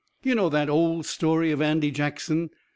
You know that old story of Andy Jackson.